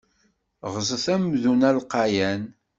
Ɣzet amdun alqayan.